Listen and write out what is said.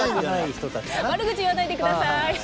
悪口言わないで下さい。